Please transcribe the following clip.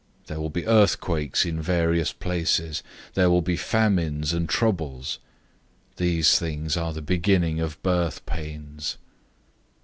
There will be earthquakes in various places. There will be famines and troubles. These things are the beginning of birth pains.